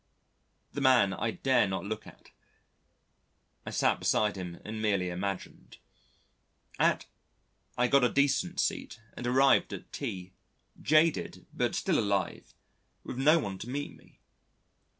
The man I dare not look at: I sat beside him and merely imagined. At , I got a decent seat and arrived at T jaded, but still alive, with no one to meet me.